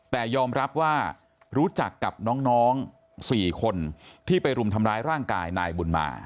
แต่ยอมรับว่ารู้จักกับน้อง๔คนที่ไปรุมทำร้ายร่างกายนายบุญมา